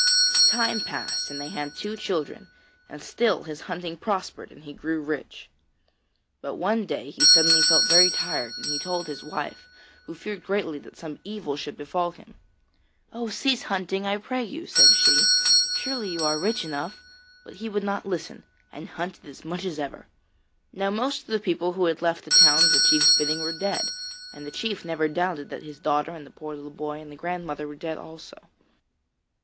Time passed and they had two children, and still his hunting prospered and he grew rich. But one day he suddenly felt very tired and he told his wife, who feared greatly that some evil should befall him. 'Oh, cease hunting, I pray you!' said she. 'Surely you are rich enough'; but he would not listen, and hunted as much as ever. Now most of the people who had left the town at the chief's bidding were dead, and the chief never doubted but that his daughter and the poor little boy and the old grandmother were dead also.